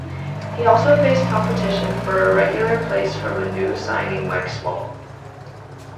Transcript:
He also faced competition for a regular place from new signing Mike Small.